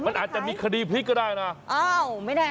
มันอาจจะมีคดีพลิกก็ได้นะ